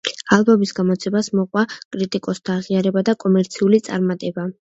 ალბომის გამოცემას მოჰყვა კრიტიკოსთა აღიარება და კომერციული წარმატება.